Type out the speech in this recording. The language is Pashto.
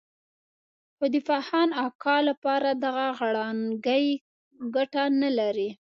خو د فخان اکا لپاره دغه غړانګې ګټه نه لري.